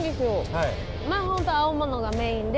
はいまぁホント青物がメインで